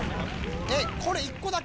えっ、これ１個だけ？